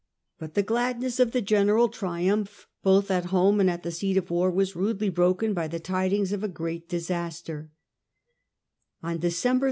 But the gladness of the general triumph, both at home and at the seat of war, was rudely broken by the tidings of a great disaster.